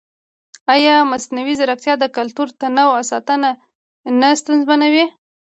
ایا مصنوعي ځیرکتیا د کلتوري تنوع ساتنه نه ستونزمنوي؟